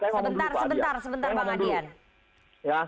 sebentar sebentar bang adrian